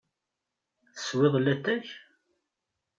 Teswiḍ latay?